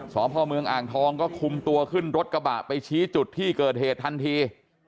สพเมืองอ่างทองก็คุมตัวขึ้นรถกระบะไปชี้จุดที่เกิดเหตุทันที